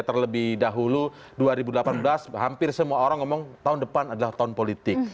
terlebih dahulu dua ribu delapan belas hampir semua orang ngomong tahun depan adalah tahun politik